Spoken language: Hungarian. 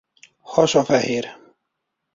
Hasa fehér.